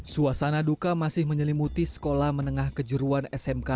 suasana duka masih menyelimuti sekolah menengah kejuruan smk